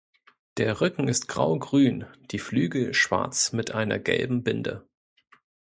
Der Rücken ist graugrün, die Flügel schwarz mit einer gelben Binde.